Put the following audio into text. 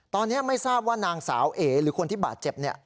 ตอนนี้ไม่ทราบว่านางสาวเอ๋หรือคนที่บาดเจ็บเนี่ย